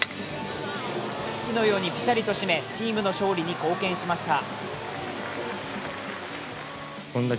父のようにピシャリと締め、チームの勝利に貢献しました。